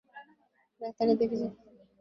ডাক্তারদের কিছু এথিকেল কোড় মানতে হয়।